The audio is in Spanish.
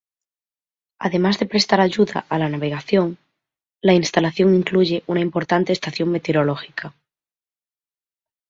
Además de prestar ayuda a la navegación, la instalación incluye una importante estación meteorológica.